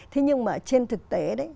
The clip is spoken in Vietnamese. thế nhưng mà trên thực tế đấy